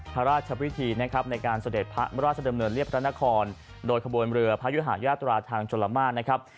พระราชพิธีนะครับในการเสด็จพระราชดำเนินเรียบพระนครโดยขบวนเรือพระยุหายาตราทางชลมาตรนะครับ